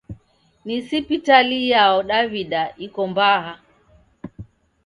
Ni sipitali iyao Daw'ida iko mbaha?